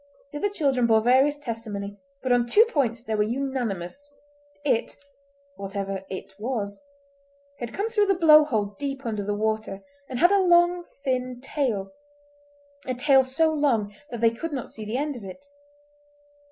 The other children bore various testimony, but on two points they were unanimous—it, whatever "it" was, had come through the blow hole deep under the water, and had a long, thin tail—a tail so long that they could not see the end of it.